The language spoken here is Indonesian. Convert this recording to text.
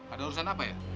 ada urusan apa ya